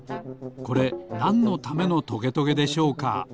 これなんのためのトゲトゲでしょうか？